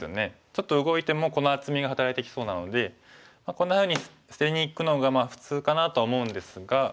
ちょっと動いてもこの厚みが働いてきそうなのでこんなふうに捨てにいくのが普通かなと思うんですが。